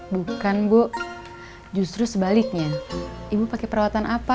bukan bu justru sebaliknya ibu pakai perawatan apa